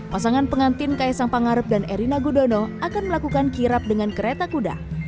pasangan pengantin kaisang pangarep dan erina gudono akan melakukan kirap dengan kereta kuda